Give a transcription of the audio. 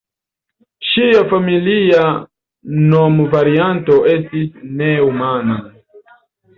Ŝia familia nomvarianto estis "Neumann".